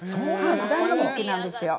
大人気なんですよ。